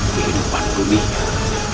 di hidupan dunia